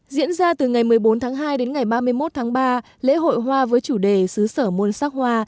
diễn ra từ ngày một mươi bốn tháng hai đến ngày ba mươi một tháng ba lễ hội hoa với chủ đề xứ sở môn sắc hoa